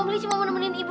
siapa yang mau nemenin ibu